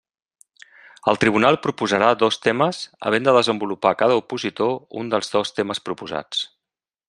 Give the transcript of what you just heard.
El tribunal proposarà dos temes, havent de desenvolupar cada opositor un dels dos temes proposats.